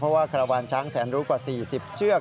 เพราะว่าคาราวานช้างแสนรู้กว่า๔๐เชือก